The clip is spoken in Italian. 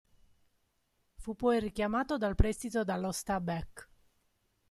Fu poi richiamato dal prestito dallo Stabæk.